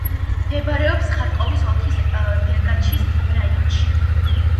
მდებარეობს ხარკოვის ოლქის დერგაჩის რაიონში.